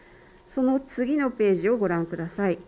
その次のページをご覧ください。